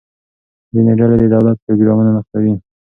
ځینې ډلې د دولت پروګرامونه نقدوي.